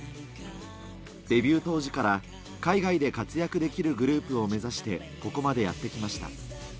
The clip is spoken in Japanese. デビュー当時から、海外で活躍できるグループを目指してここまでやってきました。